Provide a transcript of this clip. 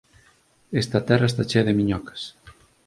Esta terra está chea de miñocas.